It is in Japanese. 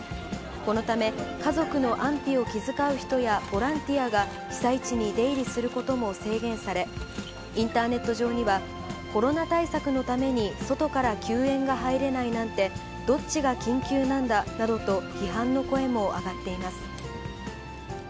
このため、家族の安否を気遣う人やボランティアが被災地に出入りすることも制限され、インターネット上には、コロナ対策のために外から救援が入れないなんて、どっちが緊急なんだなどと、批判の声も上がっています。